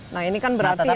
nah ini kan berarti